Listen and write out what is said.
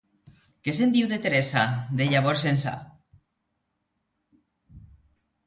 Què se'n diu de Teresa, de llavors ençà?